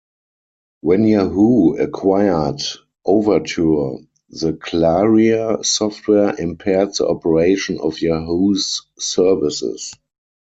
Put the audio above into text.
When Yahoo acquired Overture, the Claria software impaired the operation of Yahoo's services.